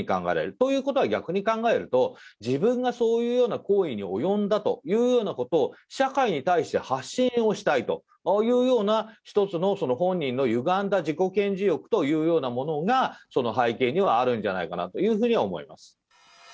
ということは、逆に考えると、自分がそういうような行為に及んだというようなことを、社会に対して発信をしたいというような、一つの本人のゆがんだ自己顕示欲というようなものがその背景にはあるんじゃないかなというふうには思います。